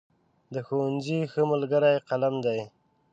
د ښوونځي ښه ملګری قلم دی.